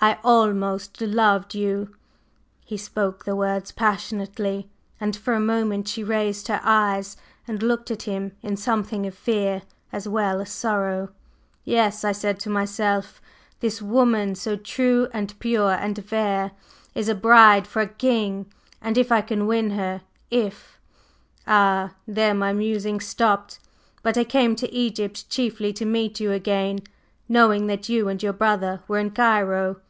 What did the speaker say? I almost loved you!" He spoke the words passionately, and for a moment she raised her eyes and looked at him in something of fear as well as sorrow. "'Yes,' I said to my self, 'this woman, so true and pure and fair, is a bride for a king; and if I can win her if!' Ah, there my musings stopped. But I came to Egypt chiefly to meet you again, knowing that you and your brother were in Cairo.